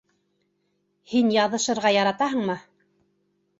Һин яҙышырға яратаһыңмы?